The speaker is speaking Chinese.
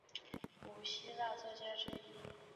古希腊作家之一。